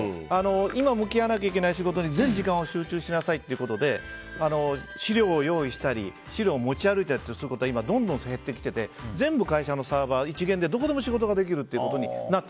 今、向き合わなきゃいけない仕事に全時間を集中しなさいということで資料を用意したり資料を持ち歩くことはどんどん減ってきていてサーバー一元でどこでも仕事ができます。